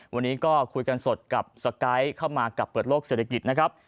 วันนี้ก็คุยกันสดกับสไกด์เข้ามากับเปิดโลกเศรษฐกิจนะครับ